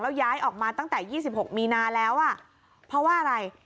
ย้ายออกมาตั้งแต่๒๖มีนาแล้วอ่ะเพราะว่าอะไร